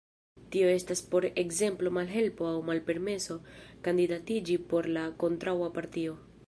Tio estas por ekzemplo malhelpo aŭ malpermeso kandidatiĝi por la kontraŭa partio.